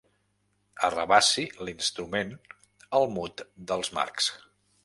Arrabassi l'instrument al mut dels Marx.